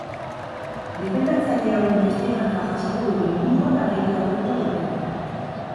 Defendatzaile hauen testigantza jasoko duen liburu bat argitaratuko da urtero.